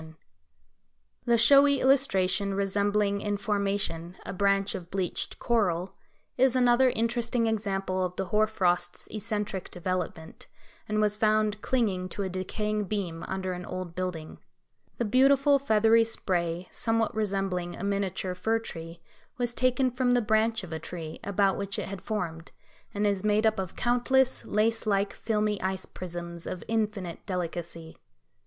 [Illustration: 37. An exquisite lace pattern in frost] The showy illustration resembling in formation a branch of bleached coral, is another interesting example of the hoar frost's eccentric development, and was found clinging to a decaying beam, under an old building. The beautiful feathery spray, somewhat resembling a miniature fir tree, was taken from the branch of a tree, about which it had formed, and is made up of countless, lace like, filmy ice prisms, of infinite delicacy.